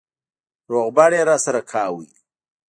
روغبړ يې راسره کاوه.